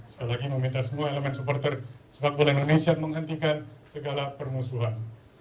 sekali lagi meminta semua elemen supporter sepak bola indonesia menghentikan segala permusuhan